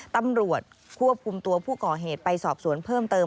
ตำรวจควบคุมตัวผู้ก่อเหตุไปสอบสวนเพิ่มเติม